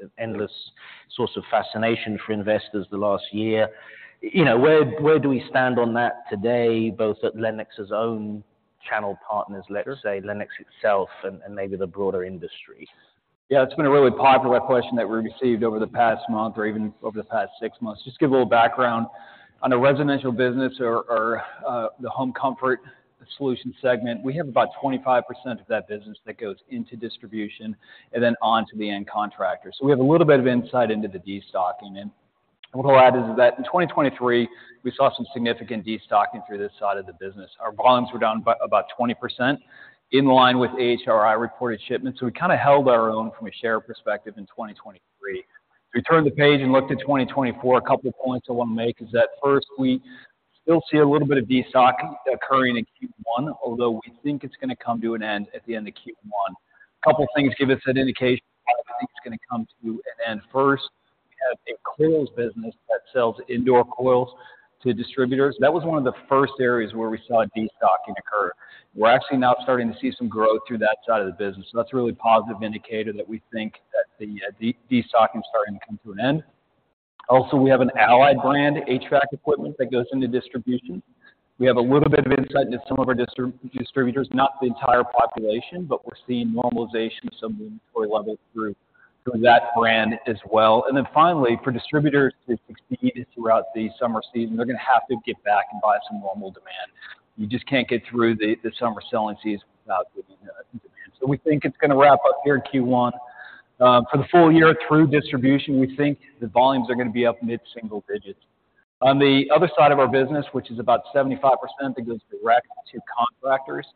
An endless source of fascination for investors the last year. You know, where do we stand on that today, both at Lennox's own channel partners, let's say Lennox itself, and maybe the broader industry? Yeah, it's been a really popular question that we received over the past month, or even over the past six months. Just to give a little background, on a residential business or the Home Comfort Solutions segment, we have about 25% of that business that goes into distribution and then on to the end contractor. So we have a little bit of insight into the destocking. And what I'll add is that in 2023, we saw some significant destocking through this side of the business. Our volumes were down about 20%, in line with AHRI reported shipments. So we kind of held our own from a share perspective in 2023. If we turn the page and look to 2024, a couple of points I want to make is that first, we still see a little bit of destocking occurring in Q1, although we think it's going to come to an end at the end of Q1. A couple of things give us that indication why we think it's going to come to an end. First, we have a coils business that sells indoor coils to distributors. That was one of the first areas where we saw destocking occur. We're actually now starting to see some growth through that side of the business. So that's a really positive indicator that we think that the destocking is starting to come to an end. Also, we have an Allied brand, HVAC equipment, that goes into distribution. We have a little bit of insight into some of our distributors, not the entire population, but we're seeing normalization of some of the inventory levels through that brand as well. And then finally, for distributors to succeed throughout the summer season, they're going to have to get back and buy some normal demand. You just can't get through the summer selling seasons without getting demand. So we think it's going to wrap up here in Q1. For the full year through distribution, we think the volumes are going to be up mid-single digits. On the other side of our business, which is about 75% that goes direct to contractors,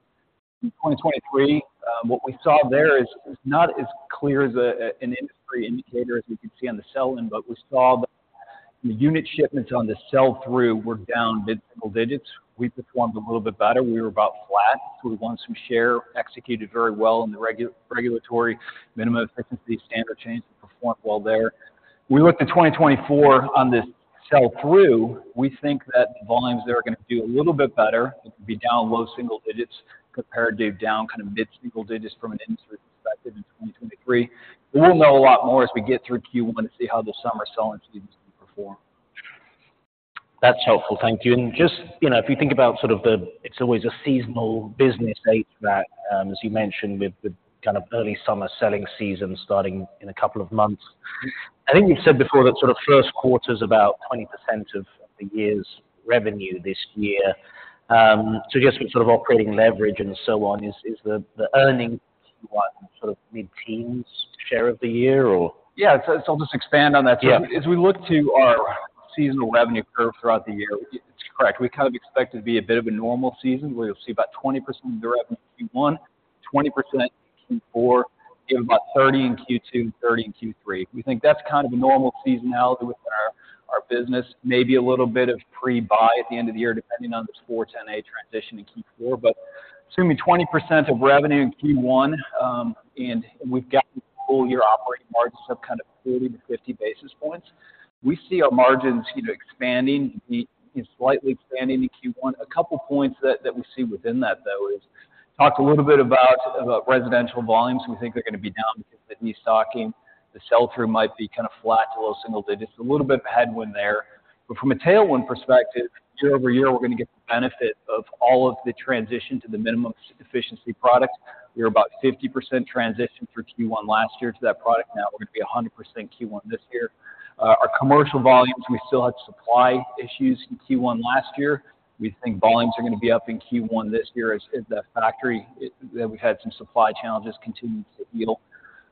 in 2023, what we saw there is not as clear as an industry indicator as we can see on the sell-in, but we saw that the unit shipments on the sell-through were down mid-single digits. We performed a little bit better. We were about flat. So we won some share, executed very well in the regulatory minimum efficiency standard chains. We performed well there. We looked at 2024 on this sell-through. We think that volumes there are going to do a little bit better. It will be down low single digits compared to down kind of mid-single digits from an industry perspective in 2023. But we'll know a lot more as we get through Q1 to see how the summer selling seasons perform. That's helpful. Thank you. Just if you think about sort of the it's always a seasonal business, HVAC, as you mentioned, with kind of early summer selling season starting in a couple of months. I think you've said before that sort ofQ1's about 20% of the year's revenue this year. So just with sort of operating leverage and so on, is the earnings Q1 sort of mid-teens share of the year, or? Yeah, so I'll just expand on that. So as we look to our seasonal revenue curve throughout the year, it's correct. We kind of expect it to be a bit of a normal season, where you'll see about 20% of the revenue in Q1, 20% in Q4, give about 30% in Q2 and 30% in Q3. We think that's kind of a normal seasonality within our business, maybe a little bit of pre-buy at the end of the year, depending on this R-410A transition in Q4. But assuming 20% of revenue in Q1, and we've got full-year operating margins of kind of 40-50 basis points, we see our margins expanding, slightly expanding in Q1. A couple of points that we see within that, though, is talked a little bit about residential volumes. We think they're going to be down because of the destocking. The sell-through might be kind of flat to low single digits. A little bit of headwind there. But from a tailwind perspective, year-over-year, we're going to get the benefit of all of the transition to the minimum efficiency product. We were about 50% transition through Q1 last year to that product. Now we're going to be 100% Q1 this year. Our commercial volumes, we still had supply issues in Q1 last year. We think volumes are going to be up in Q1 this year as the factory that we've had some supply challenges continue to heal.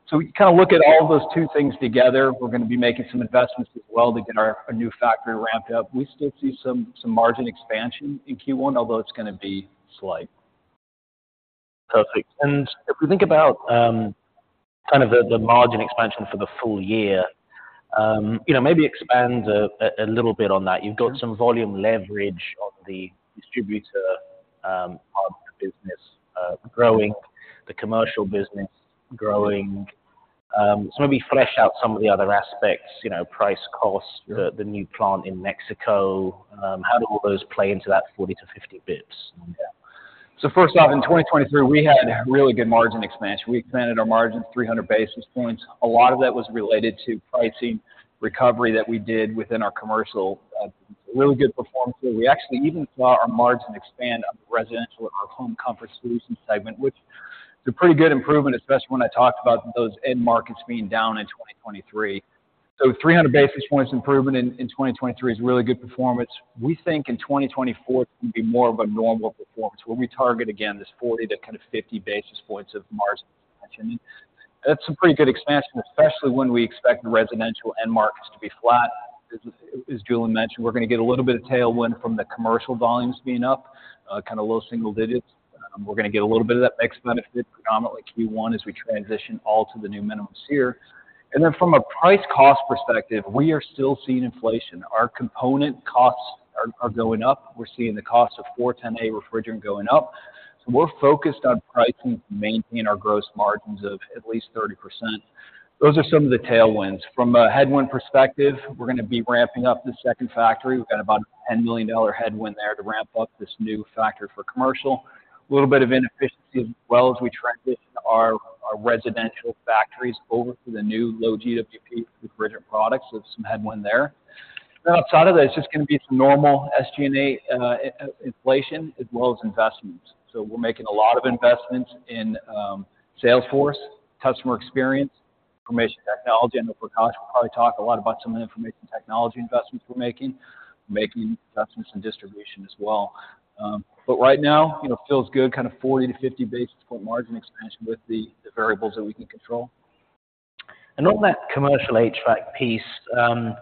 So we kind of look at all of those two things together. We're going to be making some investments as well to get our new factory ramped up. We still see some margin expansion in Q1, although it's going to be slight. Perfect. And if we think about kind of the margin expansion for the full year, maybe expand a little bit on that. You've got some volume leverage on the distributor part of the business growing, the commercial business growing. So maybe flesh out some of the other aspects, price, cost, the new plant in Mexico. How do all those play into that 40-50 bips? So first off, in 2023, we had really good margin expansion. We expanded our margins 300 basis points. A lot of that was related to pricing recovery that we did within our commercial business. Really good performance here. We actually even saw our margin expand on the residential or Home Comfort solutions segment, which is a pretty good improvement, especially when I talked about those end markets being down in 2023. So 300 basis points improvement in 2023 is really good performance. We think in 2024, it's going to be more of a normal performance, where we target, again, this 40 to kind of 50 basis points of margin expansion. And that's some pretty good expansion, especially when we expect the residential end markets to be flat. As Julian mentioned, we're going to get a little bit of tailwind from the commercial volumes being up, kind of low single digits. We're going to get a little bit of that mixed benefit, predominantly Q1, as we transition all to the new minimums here. And then from a price-cost perspective, we are still seeing inflation. Our component costs are going up. We're seeing the cost of R-410A refrigerant going up. So we're focused on pricing to maintain our gross margins of at least 30%. Those are some of the tailwinds. From a headwind perspective, we're going to be ramping up this second factory. We've got about a $10 million headwind there to ramp up this new factory for commercial. A little bit of inefficiency as well as we transition our residential factories over to the new low GWP refrigerant products. So some headwind there. Then outside of that, it's just going to be some normal SG&A inflation as well as investments. So we're making a lot of investments in Salesforce, customer experience, information technology. I know Prakash will probably talk a lot about some of the information technology investments we're making. We're making investments in distribution as well. But right now, it feels good, kind of 40-50 basis point margin expansion with the variables that we can control. On that commercial HVAC piece, I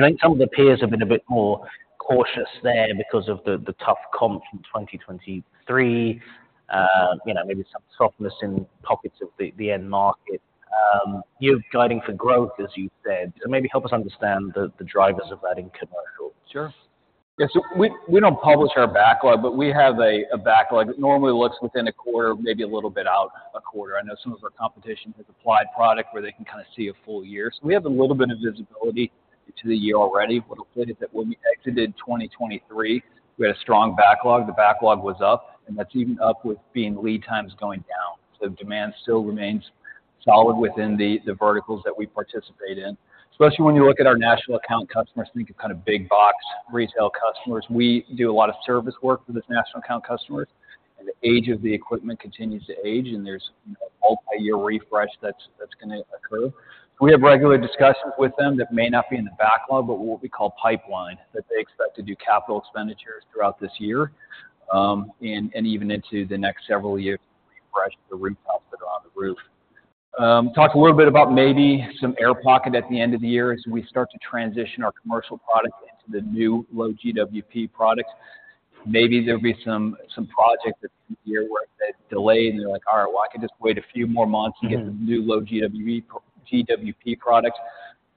think some of the peers have been a bit more cautious there because of the tough comps from 2023, maybe some softness in pockets of the end market. You're guiding for growth, as you said. Maybe help us understand the drivers of that in commercial? Sure. Yeah, so we don't publish our backlog, but we have a backlog that normally looks within a quarter, maybe a little bit out a quarter. I know some of our competition has applied product where they can kind of see a full year. So we have a little bit of visibility into the year already. What I'll say is that when we exited 2023, we had a strong backlog. The backlog was up, and that's even up with lead times going down. So demand still remains solid within the verticals that we participate in. Especially when you look at our national account customers, think of kind of big box retail customers. We do a lot of service work for those national account customers. And the age of the equipment continues to age, and there's a multi-year refresh that's going to occur. So we have regular discussions with them that may not be in the backlog, but what we call pipeline, that they expect to do capital expenditures throughout this year and even into the next several years to refresh the rooftops that are on the roof. Talked a little bit about maybe some air pocket at the end of the year as we start to transition our commercial product into the new low GWP products. Maybe there'll be some projects at the end of the year where they delay, and they're like, "All right, well, I could just wait a few more months to get the new low GWP products."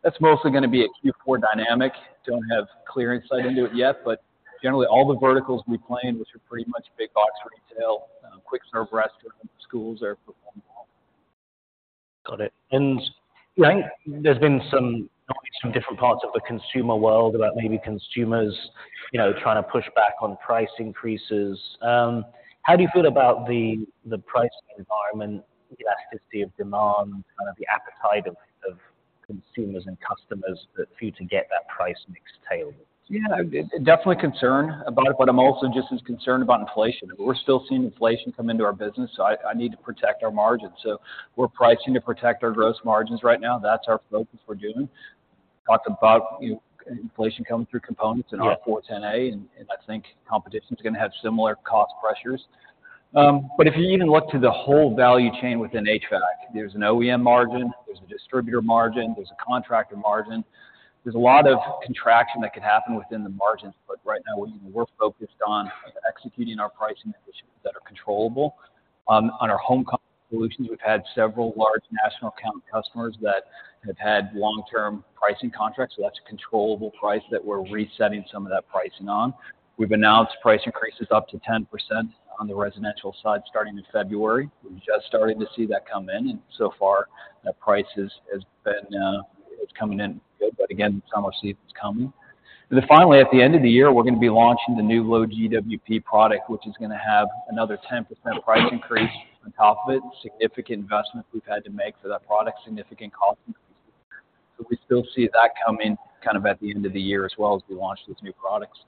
That's mostly going to be a Q4 dynamic. Don't have clear insight into it yet, but generally, all the verticals we play in, which are pretty much big box retail, quick serve restaurants, schools, are performing well. Got it. I think there's been some knowledge from different parts of the consumer world about maybe consumers trying to push back on price increases. How do you feel about the pricing environment, elasticity of demand, kind of the appetite of consumers and customers that view to get that price mix tailwinds? Yeah, definitely concerned about it, but I'm also just as concerned about inflation. We're still seeing inflation come into our business, so I need to protect our margins. So we're pricing to protect our gross margins right now. That's our focus we're doing. Talked about inflation coming through components in our R-410A, and I think competition's going to have similar cost pressures. But if you even look to the whole value chain within HVAC, there's an OEM margin, there's a distributor margin, there's a contractor margin. There's a lot of contraction that could happen within the margins, but right now, we're focused on executing our pricing that are controllable. On our Home Comfort Solutions, we've had several large national account customers that have had long-term pricing contracts. So that's a controllable price that we're resetting some of that pricing on. We've announced price increases up to 10% on the residential side starting in February. We've just started to see that come in, and so far, that price has been coming in good. But again, summer season's coming. And then finally, at the end of the year, we're going to be launching the new low GWP product, which is going to have another 10% price increase on top of it, significant investments we've had to make for that product, significant cost increases. So we still see that coming kind of at the end of the year as well as we launch these new products.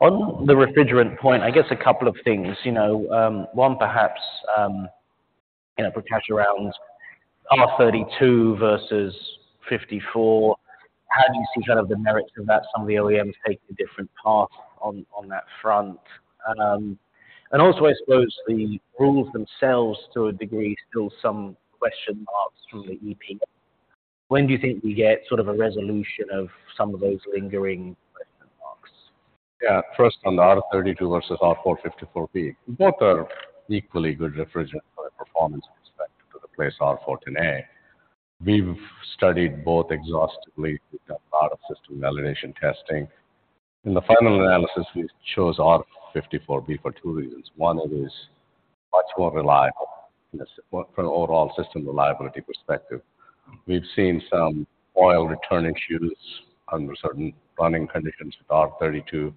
On the refrigerant point, I guess a couple of things. One, perhaps, Prakash, around R-32 versus R-454B. How do you see kind of the merits of that? Some of the OEMs taking a different path on that front. And also, I suppose, the rules themselves, to a degree, still some question marks from the EPA. When do you think we get sort of a resolution of some of those lingering question marks? Yeah, first on the R-32 versus R-454B. Both are equally good refrigerants from a performance perspective to replace R-410A. We've studied both exhaustively. We've done a lot of system validation testing. In the final analysis, we chose R-454B for two reasons. One, it is much more reliable from an overall system reliability perspective. We've seen some oil return issues under certain running conditions with R-32.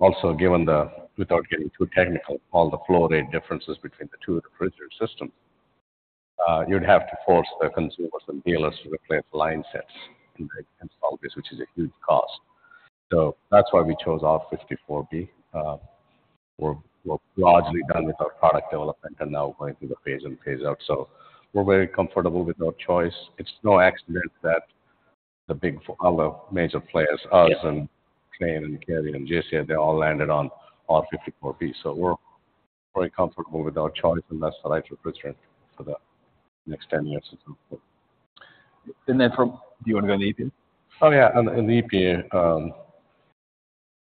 Also, given the without getting too technical, all the flow rate differences between the two refrigerant systems, you'd have to force the consumers and dealers to replace line sets in the install base, which is a huge cost. So that's why we chose R-454B. We're largely done with our product development and now going through the phase in, phase out. So we're very comfortable with our choice. It's no accident that the other major players, us and Trane and Carrier and JCI, they all landed on R-454B. So we're very comfortable with our choice, and that's the right refrigerant for the next 10 years or so. And then, do you want to go on the EPA? Oh, yeah. In the EPA,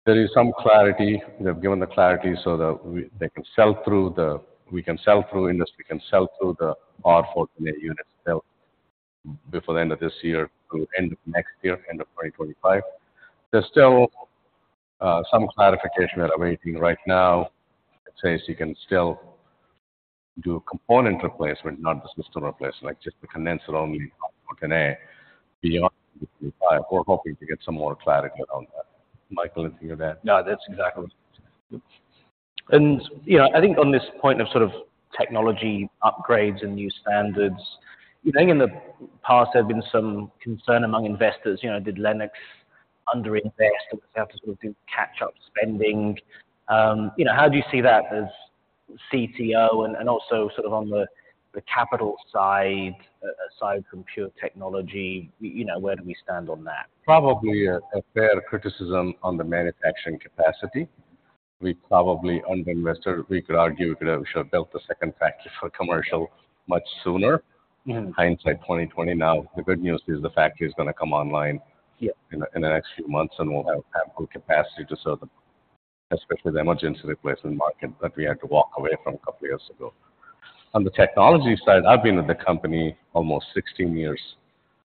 there is some clarity. They've given the clarity so that we can sell through the industry. We can sell through the R-410A units still before the end of this year through end of next year, end of 2025. There's still some clarification we're awaiting. Right now, it says you can still do component replacement, not the system replacement, like just the condenser only R-410A beyond 2025. We're hoping to get some more clarity around that. Michael, anything on that? No, that's exactly what I was going to say. And I think on this point of sort of technology upgrades and new standards, I think in the past, there have been some concern among investors. Did Lennox underinvest and was out to sort of do catch-up spending? How do you see that as CTO and also sort of on the capital side, aside from pure technology? Where do we stand on that? Probably a fair criticism on the manufacturing capacity. We probably underinvested. We could argue we should have built the second factory for commercial much sooner, hindsight 2020. Now, the good news is the factory is going to come online in the next few months, and we'll have full capacity to serve the, especially the emergency replacement market that we had to walk away from a couple of years ago. On the technology side, I've been with the company almost 16 years.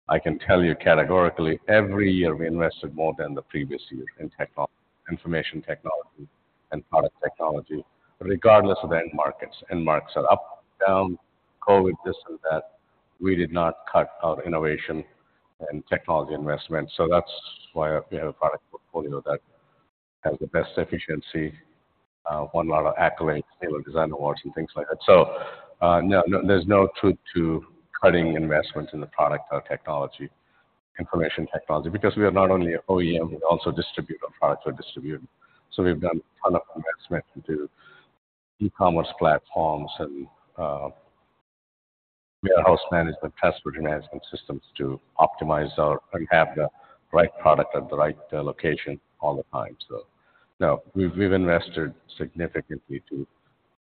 I can tell you categorically, every year, we invested more than the previous year in information technology and product technology, regardless of the end markets. End markets are up, down, COVID, this and that. We did not cut our innovation and technology investments. So that's why we have a product portfolio that has the best efficiency, won a lot of accolades, nailed design awards, and things like that. So, no, there's no truth to cutting investments in the product or technology, information technology, because we are not only an OEM. We also distribute our products. We're distributing. So, we've done a ton of investment into e-commerce platforms and warehouse management, transportation management systems to optimize and have the right product at the right location all the time. So, no, we've invested significantly to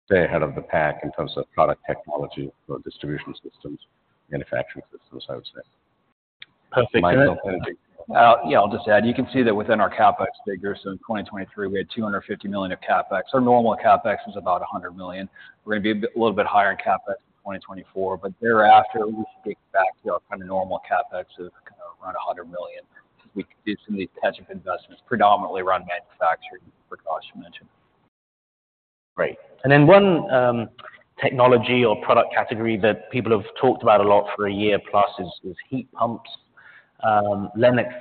stay ahead of the pack in terms of product technology for distribution systems, manufacturing systems, I would say. Perfect. Michael, anything? Yeah, I'll just add. You can see that within our CapEx figures, so in 2023, we had $250 million of CapEx. Our normal CapEx was about $100 million. We're going to be a little bit higher in CapEx in 2024, but thereafter, we should get back to our kind of normal CapEx of kind of around $100 million because we can do some of these catch-up investments, predominantly around manufacturing, as Prakash mentioned. Great. And then one technology or product category that people have talked about a lot for a year plus is heat pumps. Lennox,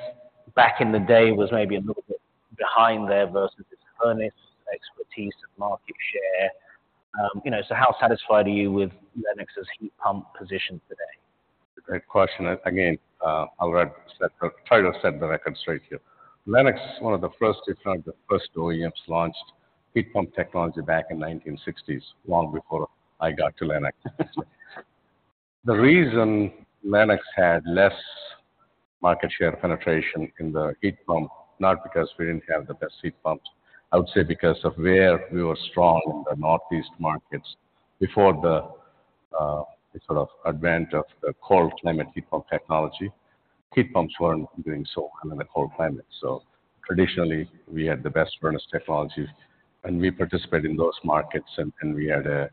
back in the day, was maybe a little bit behind there versus its furnace expertise and market share. So how satisfied are you with Lennox's heat pump position today? Great question. Again, I'll try to set the record straight here. Lennox, one of the first if not the first OEMs launched heat pump technology back in the 1960s, long before I got to Lennox. The reason Lennox had less market share penetration in the heat pump, not because we didn't have the best heat pumps. I would say because of where we were strong in the Northeast markets before the sort of advent of the Cold Climate Heat Pump technology. Heat pumps weren't doing so well in the cold climate. So traditionally, we had the best furnace technology, and we participated in those markets, and we had a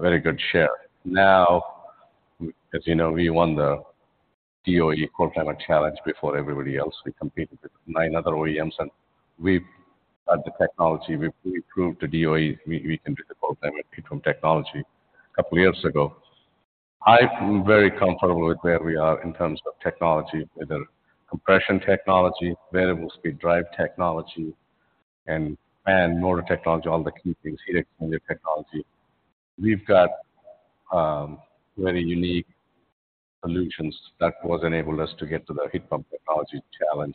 very good share. Now, as you know, we won the DOE Cold Climate Challenge before everybody else. We competed with nine other OEMs, and we had the technology. We proved to DOE we can do the Cold Climate Heat Pump technology a couple of years ago. I'm very comfortable with where we are in terms of technology, whether compression technology, variable speed drive technology, and fan, motor technology, all the key things, heat exchanger technology. We've got very unique solutions that enabled us to get to the heat pump technology challenge.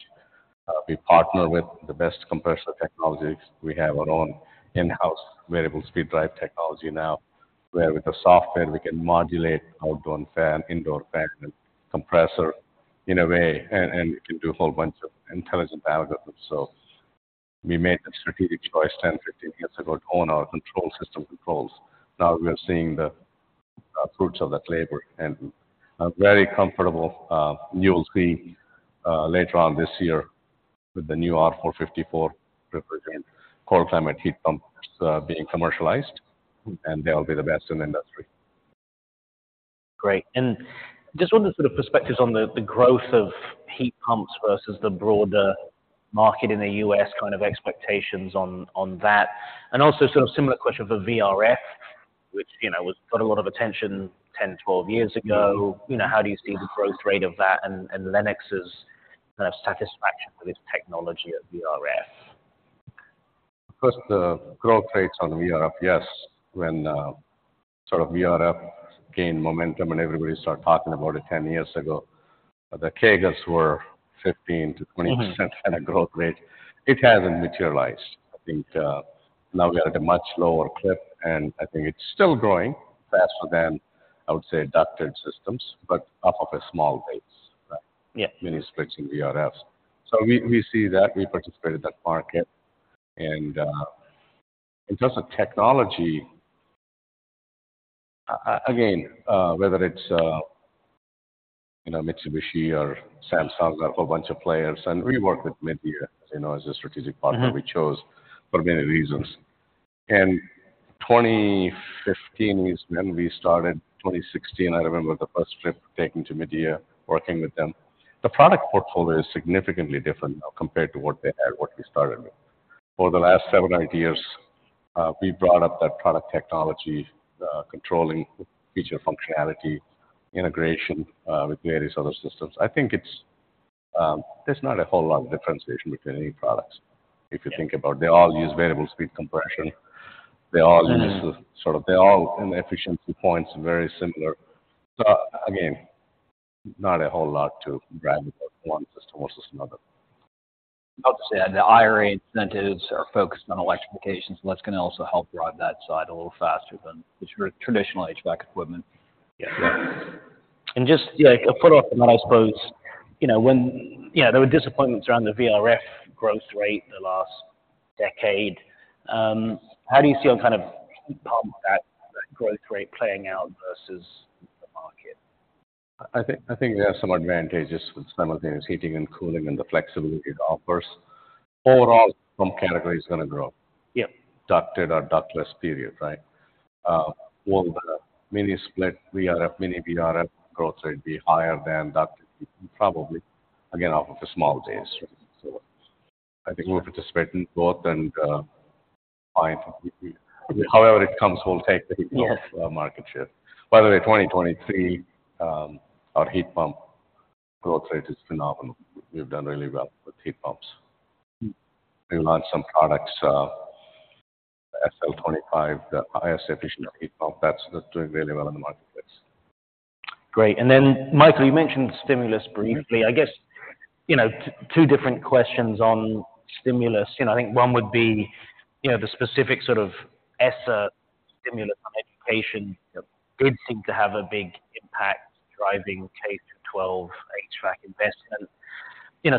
We partner with the best compressor technologies. We have our own in-house variable speed drive technology now where, with the software, we can modulate outdoor and indoor fan and compressor in a way, and it can do a whole bunch of intelligent algorithms. So we made the strategic choice 10, 15 years ago to own our control system controls. Now, we are seeing the fruits of that labor, and I'm very comfortable. You will see later on this year with the new R-454B refrigerant cold climate heat pumps being commercialized, and they'll be the best in the industry. Great. And just wanted sort of perspectives on the growth of heat pumps versus the broader market in the U.S. kind of expectations on that. And also sort of similar question for VRF, which got a lot of attention 10-12 years ago. How do you see the growth rate of that and Lennox's kind of satisfaction with its technology at VRF? First, the growth rates on VRF, yes. When sort of VRF gained momentum and everybody started talking about it 10 years ago, the CAGRs were 15%-20% at a growth rate. It hasn't materialized. I think now we are at a much lower clip, and I think it's still growing faster than, I would say, ducted systems, but off of a small base, right, mini splits in VRFs. So we see that. We participate in that market. And in terms of technology, again, whether it's Mitsubishi or Samsung or a whole bunch of players, and we work with Midea as a strategic partner. We chose for many reasons. And 2015 is when we started. 2016, I remember the first trip taken to Midea, working with them. The product portfolio is significantly different now compared to what they had, what we started with. Over the last seven-eight years, we brought up that product technology, controlling feature functionality, integration with various other systems. I think there's not a whole lot of differentiation between any products if you think about it. They all use variable speed compression. They all use sort of they all, in efficiency points, are very similar. So again, not a whole lot to brag about one system versus another. I'll just add the IRA incentives are focused on electrification, so that's going to also help drive that side a little faster than traditional HVAC equipment. Just a follow-up from that, I suppose, when there were disappointments around the VRF growth rate the last decade, how do you see kind of heat pump that growth rate playing out versus the market? I think it has some advantages with some of the heating and cooling and the flexibility it offers. Overall, the pump category is going to grow, ducted or ductless, period, right? Will the mini split VRF, mini VRF growth rate be higher than ducted heating? Probably, again, off of a small base, right? So I think we'll participate in both, and however it comes, we'll take the market share. By the way, 2023, our heat pump growth rate is phenomenal. We've done really well with heat pumps. We launched some products, SL25, the highest efficient heat pump. That's doing really well in the marketplace. Great. And then, Michael, you mentioned stimulus briefly. I guess two different questions on stimulus. I think one would be the specific sort of ESSER stimulus on education did seem to have a big impact driving K through 12 HVAC investment.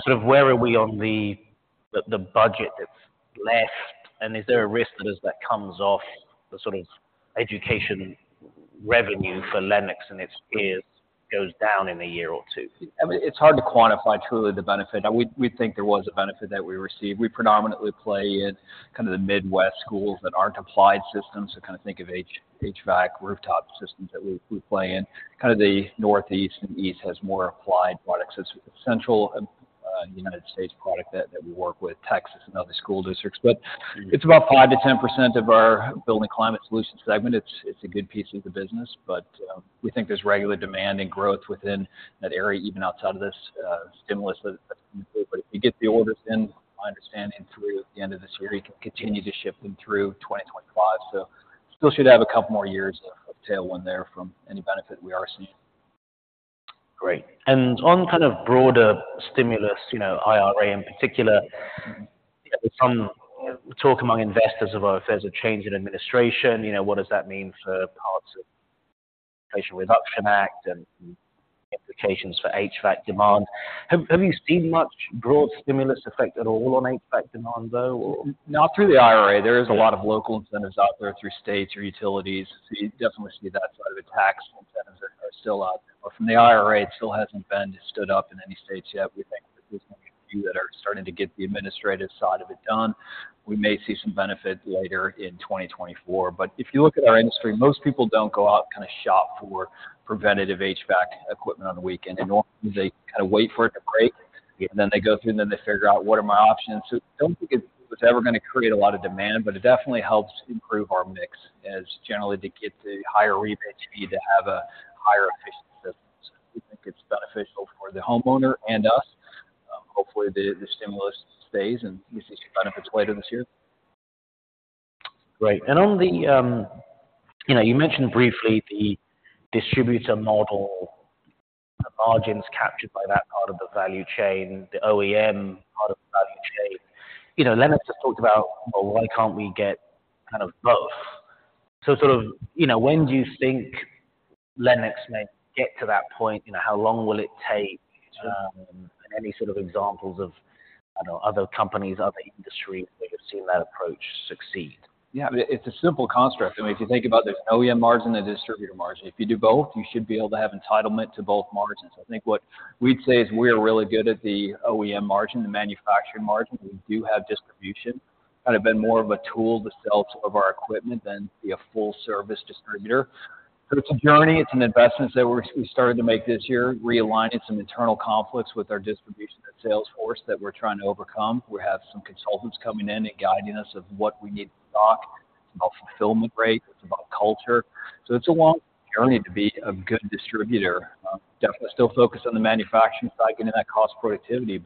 Sort of, where are we on the budget that's left? And is there a risk that as that comes off, the sort of education revenue for Lennox and its peers goes down in a year or two? I mean, it's hard to quantify truly the benefit. We think there was a benefit that we received. We predominantly play in kind of the Midwest schools that aren't applied systems. So kind of think of HVAC rooftop systems that we play in. Kind of the Northeast and East has more applied products. It's a Central United States product that we work with, Texas and other school districts. But it's about 5%-10% of our Building Climate Solutions segment. It's a good piece of the business, but we think there's regular demand and growth within that area, even outside of this stimulus that's coming through. But if you get the orders in, my understanding, through the end of this year, you can continue to ship them through 2025. So still should have a couple more years of tailwind there from any benefit we are seeing. Great. And on kind of broader stimulus, IRA in particular, there's some talk among investors of, "Oh, if there's a change in administration, what does that mean for parts of the Inflation Reduction Act and implications for HVAC demand?" Have you seen much broad stimulus effect at all on HVAC demand, though, or? Not through the IRA. There is a lot of local incentives out there through states or utilities. So you definitely see that side of the tax incentives that are still out there. But from the IRA, it still hasn't been. It's stood up in any states yet. We think there's only a few that are starting to get the administrative side of it done. We may see some benefit later in 2024. But if you look at our industry, most people don't go out and kind of shop for preventative HVAC equipment on the weekend. Normally, they kind of wait for it to break, and then they go through, and then they figure out, "What are my options?" So I don't think it was ever going to create a lot of demand, but it definitely helps improve our mix as generally to get the higher rebate fee to have a higher efficient system. So we think it's beneficial for the homeowner and us. Hopefully, the stimulus stays, and we see some benefits later this year. Great. And on the, you mentioned briefly the distributor model, the margins captured by that part of the value chain, the OEM part of the value chain. Lennox has talked about, "Well, why can't we get kind of both?" So sort of when do you think Lennox may get to that point? How long will it take? And any sort of examples of, I don't know, other companies, other industries where you've seen that approach succeed? Yeah. I mean, it's a simple construct. I mean, if you think about it, there's an OEM margin, a distributor margin. If you do both, you should be able to have entitlement to both margins. I think what we'd say is we're really good at the OEM margin, the manufacturing margin. We do have distribution. It's kind of been more of a tool to sell to some of our equipment than be a full-service distributor. So it's a journey. It's an investment that we started to make this year, realigning some internal conflicts with our distribution and sales force that we're trying to overcome. We have some consultants coming in and guiding us on what we need to stock. It's about fulfillment rate. It's about culture. So it's a long journey to be a good distributor. Definitely still focused on the manufacturing side, getting that cost productivity.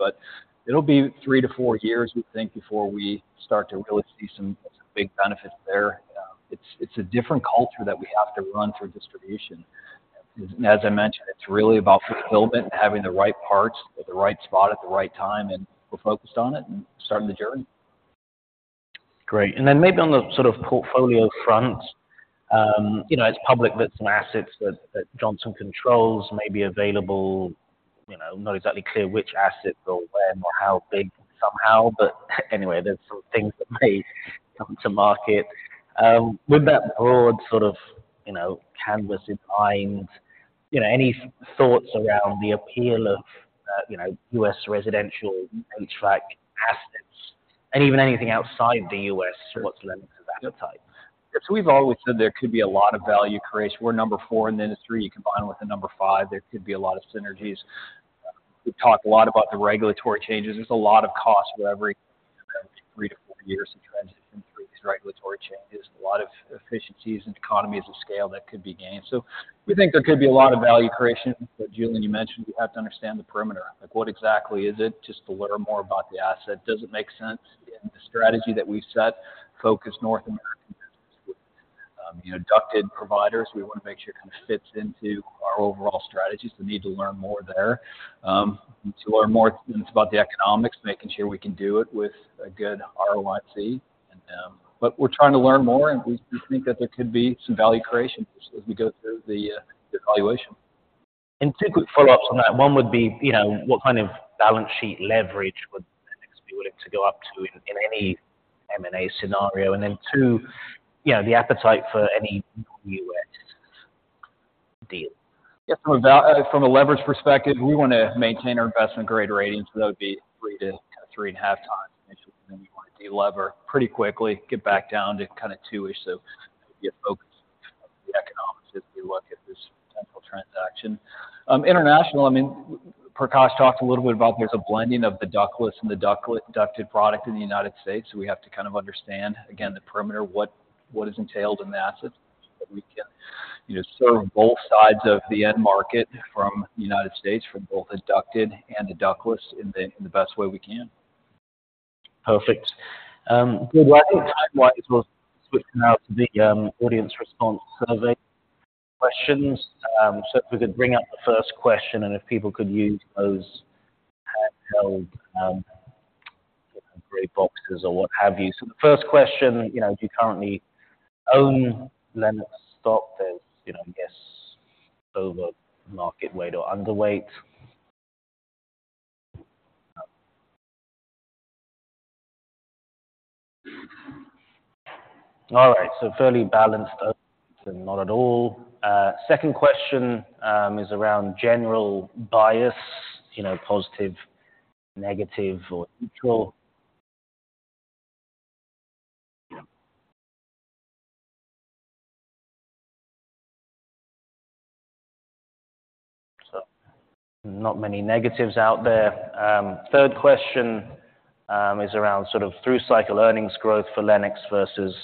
It'll be three-four years, we think, before we start to really see some big benefits there. It's a different culture that we have to run through distribution. As I mentioned, it's really about fulfillment and having the right parts at the right spot at the right time. We're focused on it and starting the journey. Great. And then maybe on the sort of portfolio front, it's public. There's some assets that Johnson Controls may be available. Not exactly clear which assets or when or how big somehow. But anyway, there's some things that may come to market. With that broad sort of canvas in mind, any thoughts around the appeal of U.S. residential HVAC assets and even anything outside the U.S.? What's Lennox's appetite? So we've always said there could be a lot of value creation. We're number four in the industry. You combine it with the number five, there could be a lot of synergies. We've talked a lot about the regulatory changes. There's a lot of cost for every three-four years to transition through these regulatory changes. A lot of efficiencies and economies of scale that could be gained. So we think there could be a lot of value creation. But Julian, you mentioned we have to understand the perimeter. What exactly is it? Just to learn more about the asset. Does it make sense in the strategy that we've set? Focus North American business with ducted providers. We want to make sure it kind of fits into our overall strategies. We need to learn more there. To learn more, then it's about the economics, making sure we can do it with a good ROIC. But we're trying to learn more, and we think that there could be some value creation as we go through the evaluation. Two quick follow-ups on that. One would be what kind of balance sheet leverage would Lennox be willing to go up to in any M&A scenario? Then two, the appetite for any non-US deal? Yeah. From a leverage perspective, we want to maintain our investment-grade ratings. So that would be three to kind of 3.5x initially, and then we want to deliver pretty quickly, get back down to kind of 2%. So that would be a focus of the economics as we look at this potential transaction. International, I mean, Prakash talked a little bit about there's a blending of the ductless and the ducted product in the United States. So we have to kind of understand, again, the perimeter, what is entailed in the assets that we can serve both sides of the end market from the United States, from both a ducted and a ductless, in the best way we can. Perfect. Good. Well, I think time-wise, we'll switch now to the audience response survey questions. So if we could bring up the first question, and if people could use those handheld gray boxes or what have you. So the first question, do you currently own Lennox stock? There's, I guess, over market weight or underweight. All right. So fairly balanced, and not at all. Second question is around general bias, positive, negative, or neutral. So not many negatives out there. Third question is around sort of through-cycle earnings growth for Lennox versus,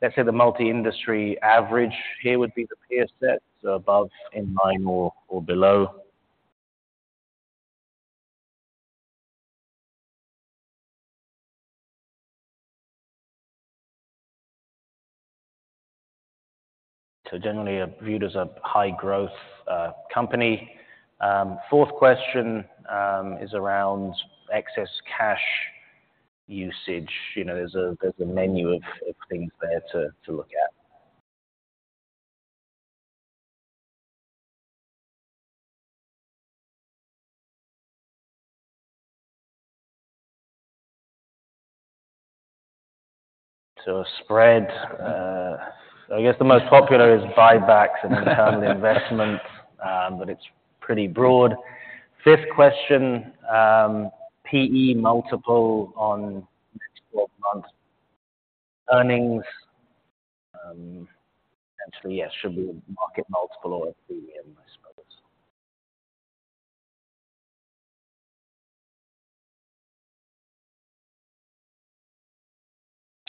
let's say, the multi-industry average. Here would be the peer set, so above, in line, or below. So generally viewed as a high-growth company. Fourth question is around excess cash usage. There's a menu of things there to look at. So a spread. I guess the most popular is buybacks and internal investment, but it's pretty broad. Fifth question, PE multiple on next 12-month earnings. Actually, yes, should be a market multiple or a premium, I suppose.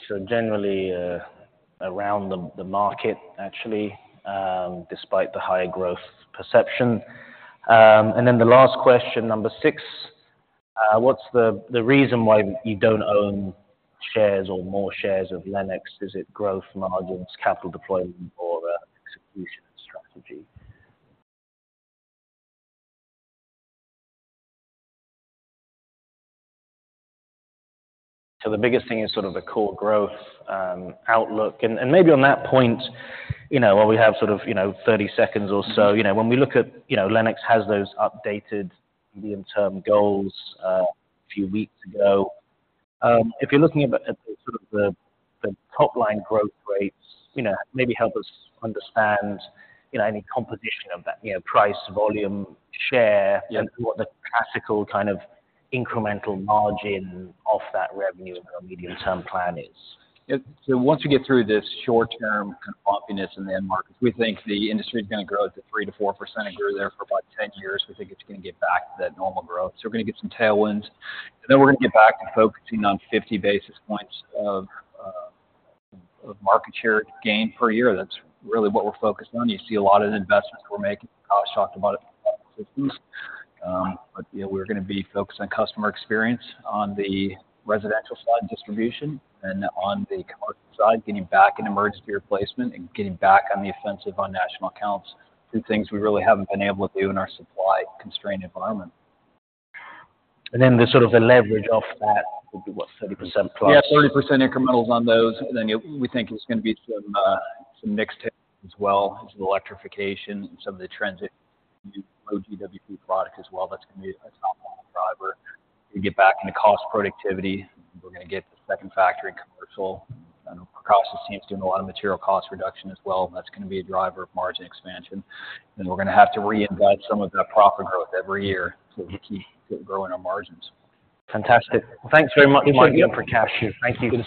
So generally around the market, actually, despite the high growth perception. And then the last question, number six, what's the reason why you don't own shares or more shares of Lennox? Is it growth margins, capital deployment, or execution and strategy? So the biggest thing is sort of the core growth outlook. And maybe on that point, while we have sort of 30 seconds or so, when we look at Lennox has those updated medium-term goals a few weeks ago. If you're looking at sort of the top-line growth rates, maybe help us understand any composition of that, price, volume, share, and what the classical kind of incremental margin off that revenue in our medium-term plan is. So once we get through this short-term kind of bumpiness in the end markets, we think the industry is going to grow at the 3%-4% and grow there for about 10 years. We think it's going to get back to that normal growth. So we're going to get some tailwinds. And then we're going to get back to focusing on 50 basis points of market share gain per year. That's really what we're focused on. You see a lot of the investments we're making. Prakash talked about it from market systems. But we're going to be focused on customer experience on the residential side distribution and on the commercial side, getting back in emergency replacement and getting back on the offensive on National Accounts, two things we really haven't been able to do in our supply-constrained environment. And then the sort of leverage off that would be what, 30% plus? Yeah, 30% incrementals on those. And then we think it's going to be some mixed tailwinds as well, as the electrification and some of the transition to the new low-GWP product as well. That's going to be a top-line driver. We're going to get back into cost productivity. We're going to get to second factory and commercial. I know Prakash's team's doing a lot of material cost reduction as well, and that's going to be a driver of margin expansion. And we're going to have to reinvest some of that profit growth every year to keep growing our margins. Fantastic. Well, thanks very much, Michael and Prakash. You're welcome. Thank you.